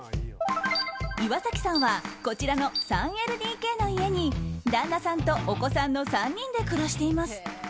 岩崎さんはこちらの３ＬＤＫの家に旦那さんとお子さんの３人で暮らしています。